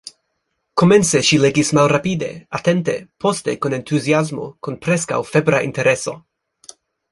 Komence ŝi legis malrapide, atente, poste kun entuziasmo, kun preskaŭ febra intereso.